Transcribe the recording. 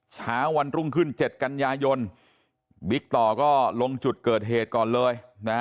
เช้าวันรุ่งขึ้น๗กันยายนบิ๊กต่อก็ลงจุดเกิดเหตุก่อนเลย